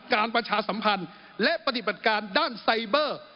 ประชาสัมพันธ์และปฏิบัติการด้านไซเบอร์